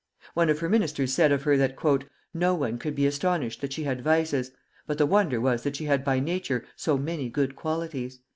One of her ministers said of her that "no one could be astonished that she had vices, but the wonder was that she had by nature so many good qualities."